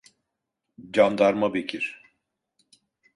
Candarma Bekir.